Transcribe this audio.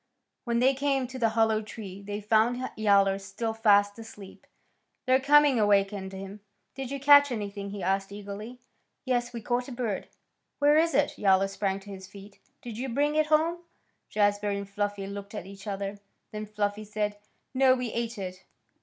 When they came to the hollow tree they found Yowler still fast asleep. Their coming awakened him. "Did you catch anything?" he asked eagerly. "Yes, we caught a bird." "Where is it?" Yowler sprang to his feet. "Did you bring it home?" Jazbury and Fluffy looked at each other. Then Fluffy said, "No; we ate it."